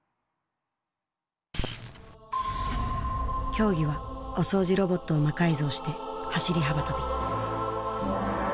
競技はお掃除ロボットを魔改造して走り幅跳び。